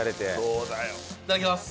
いただきます。